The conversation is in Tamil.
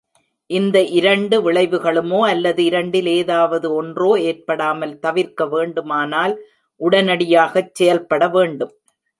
இந்த இரண்டு விளைவுகளுமோ அல்லது இரண்டில் ஏதாவது ஒன்றோ ஏற்படாமல் தவிர்க்க வேண்டுமானால் உடனடியாகச் செயல்படவேண்டும்.